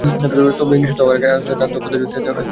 তবে নিষিদ্ধ হওয়ার আগে তার দক্ষতা যেমন ছিল, এখনো সেটিই আছে।